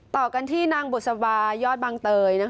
ต่อกันที่นางบุษวายอดบางเตย